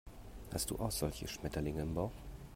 Hast du auch solche Schmetterlinge im Bauch?